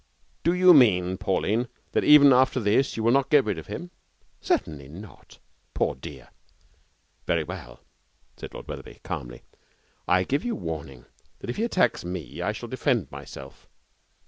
'Do you mean, Pauline, that even after this you will not get rid of him?' 'Certainly not poor dear!' 'Very well,' said Lord Wetherby, calmly. 'I give you warning that if he attacks me I shall defend myself.'